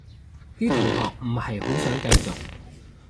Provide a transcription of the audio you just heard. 啲同學唔係好想繼續